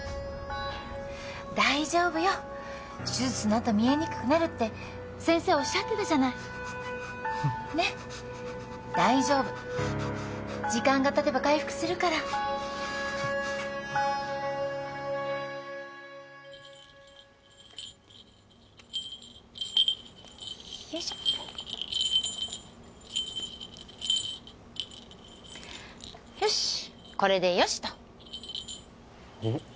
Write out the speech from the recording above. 大丈夫よ手術のあとは見えにくくなるって先生おっしゃってたじゃないねっ大丈夫時間がたてば回復するからよいしょよしこれでよしとうん？